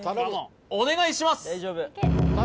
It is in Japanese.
お願いします